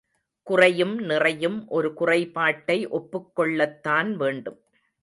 குறையும் நிறையும் ஒரு குறைபாட்டை ஒப்புக்கொள்ளத்தான் வேண்டும்.